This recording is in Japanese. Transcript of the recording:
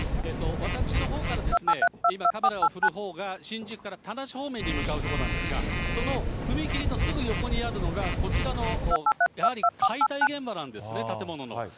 私のほうからですね、今カメラを振るほうが新宿から田無方面に向かうところなんですが、その踏切のすぐ横にあるのが、こちらのやはり解体現場なんですね、建物の。